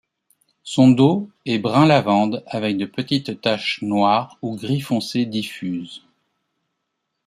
Son dos est brun lavande avec de petites taches noires ou gris foncé diffuses.